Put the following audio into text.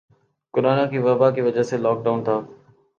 corona کی وبا کی وجہ سے لاک ڈاؤن تھا